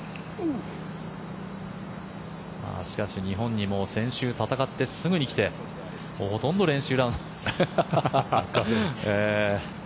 しかし、日本にも先週戦ってすぐに来てほとんど練習ラウンド。